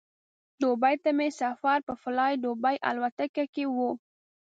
دوبۍ ته مې سفر په فلای دوبۍ الوتکه کې و.